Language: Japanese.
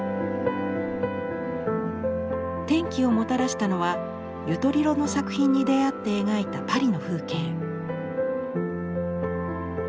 転機をもたらしたのはユトリロの作品に出会って描いたパリの風景。